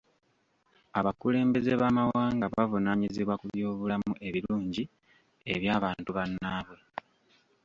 Abakulembeze b'amawanga bavunaanyizibwa ku byobulamu ebirungi eby'antu bannaabwe.